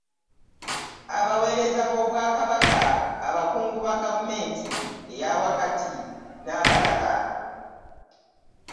Abaweereza b'Obwakabaka, abakungu ba gavumenti ya wakati n'abalala.